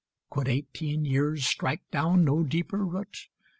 Could eighteen years strike down no deeper root?